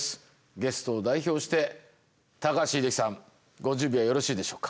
ゲストを代表して高橋英樹さんご準備はよろしいでしょうか？